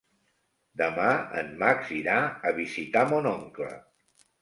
Demà en Max irà a visitar mon oncle.